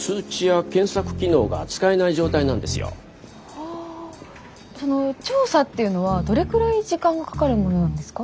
はあその調査っていうのはどれくらい時間がかかるものなんですか？